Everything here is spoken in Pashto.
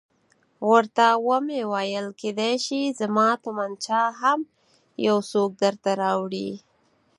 ورته ومې ویل کېدای شي زما تومانچه هم یو څوک درته راوړي.